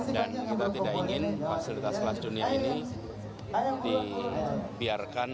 dan kita tidak ingin fasilitas kelas dunia ini dibiarkan